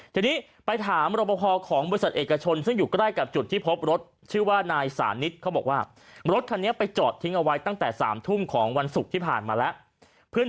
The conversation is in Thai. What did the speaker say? ทีนี้ไปถามรบพอของบริษัทเอกชนซึ่งอยู่ใกล้กับจุดที่พบรถชื่อว่านายสานิทเขาบอกว่ารถคันนี้ไปจอดทิ้งเอาไว้ตั้งแต่๓ทุ่มของวันศุกร์ที่ผ่านมาแล้ว